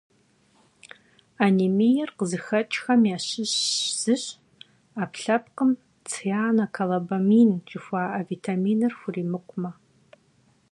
Анемиер къызыхэкӏхэм ящыщ зыщ ӏэпкълъэпкъым цианокобаламин жыхуаӏэ витаминыр хуримыкъумэ.